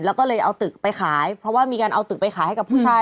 แล้วก็เลยเอาตึกไปขายเพราะว่ามีการเอาตึกไปขายให้กับผู้ชาย